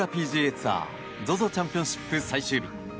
ツアーＺＯＺＯチャンピオンシップ最終日。